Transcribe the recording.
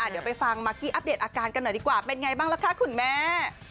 เดี๋ยวไปฟังมากกี้อัปเดตอาการกันหน่อยดีกว่าเป็นไงบ้างล่ะคะคุณแม่